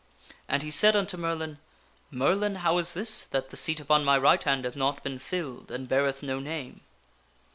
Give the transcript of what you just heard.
And he said unto Merlin :" Merlin, how is this, that the seat upon my right hand hath not been filled, and beareth no name?"